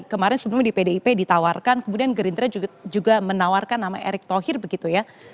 kemarin sebelumnya di pdip ditawarkan kemudian gerindra juga menawarkan nama erick thohir begitu ya